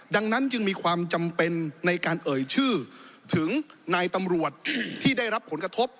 ดังนั้นจึงมีความจำเป็นในการเอ่ยชื่อถึงนายตำรวจที่ได้รับผลกระทบ